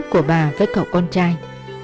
của bà với cậu con trai